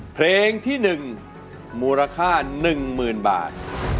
เพลงที่หนึ่งมูลค่าหนึ่งหมื่นบาท